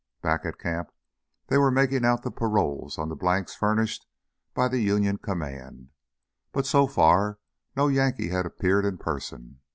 Back at camp they were making out the paroles on the blanks furnished by the Union Command, but so far no Yankee had appeared in person.